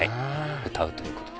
歌うということで。